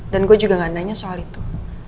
dan gue juga gak nanya soal itu